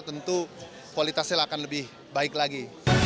tentu kualitasnya akan lebih baik lagi